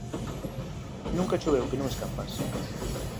Nunca choveu que non escampase